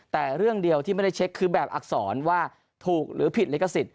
แต่เรื่องเดียวที่ไม่ได้เช็คคือแบบอักษรว่าถูกหรือผิดลิขสิทธิ